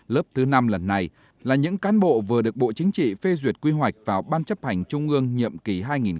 lớp thứ năm lần này là những cán bộ vừa được bộ chính trị phê duyệt quy hoạch vào ban chấp hành trung ương nhiệm kỳ hai nghìn hai mươi một hai nghìn hai mươi năm